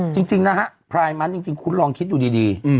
จริงนะฮะพลายมันจริงคุณลองคิดดูดี